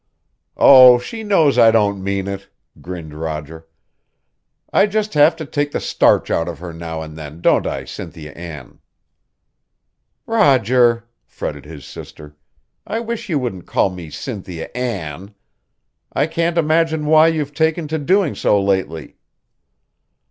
"Oh, she knows I don't mean it," grinned Roger. "I just have to take the starch out of her now and then, don't I, Cynthia Ann?" "Roger!" fretted his sister. "I wish you wouldn't call me Cynthia Ann! I can't imagine why you've taken to doing so lately."